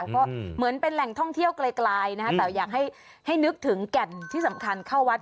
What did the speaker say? ก็เหมือนเป็นแหล่งท่องเที่ยวไกลนะคะแต่อยากให้นึกถึงแก่นที่สำคัญเข้าวัด